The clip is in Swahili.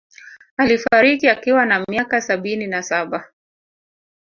Alifariki akiwa na miaka sabini na saba